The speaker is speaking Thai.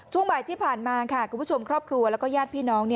ช่วงบ่ายที่ผ่านมาค่ะคุณผู้ชมครอบครัวแล้วก็ญาติพี่น้อง